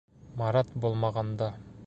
Марат булмағанда.